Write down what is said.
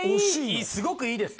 すごくいいです。